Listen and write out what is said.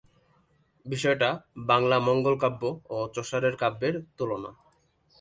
বিষয়টা বাংলা মঙ্গলকাব্য ও চসারের কাব্যের তুলনা।